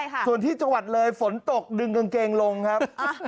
ฝนอะไรค่ะว่าส่วนที่จังหวัดเลยฝนตกดึงกางเกงลงครับ